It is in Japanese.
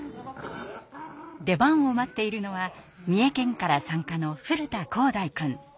出番を待っているのは三重県から参加の古田紘大くん。